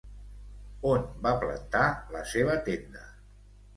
On va plantar la seva tenda?